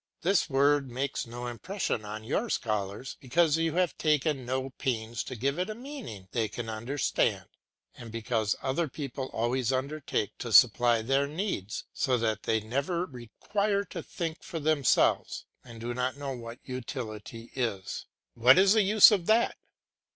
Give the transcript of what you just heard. This word makes no impression on your scholars because you have taken no pains to give it a meaning they can understand, and because other people always undertake to supply their needs so that they never require to think for themselves, and do not know what utility is. "What is the use of that?"